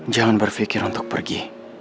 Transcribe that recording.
jangan berpikir untuk pergi